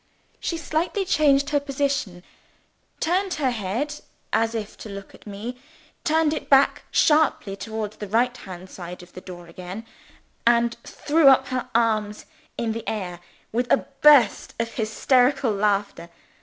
She slightly changed her position; turned her head, as if to look at me; turned it back sharply towards the right hand side of the door again; and threw up her arms in the air, with a burst of hysterical laughter.